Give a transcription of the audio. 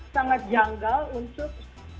sangat janggal untuk